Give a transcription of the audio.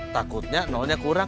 takutnya nolnya kurang